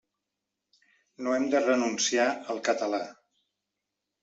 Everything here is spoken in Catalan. No hem de renunciar al català.